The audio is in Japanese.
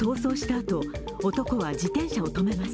あと男は自転車を決めます。